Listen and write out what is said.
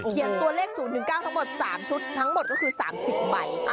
ตัวเลข๐๙ทั้งหมด๓ชุดทั้งหมดก็คือ๓๐ใบ